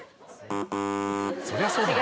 そりゃそうだ。